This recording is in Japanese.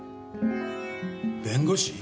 弁護士？